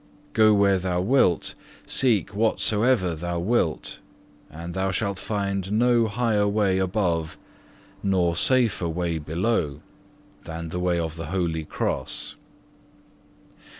Go where thou wilt, seek whatsoever thou wilt, and thou shalt find no higher way above nor safer way below, than the way of the Holy Cross.